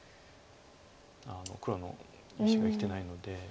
あの黒の石が生きてないので。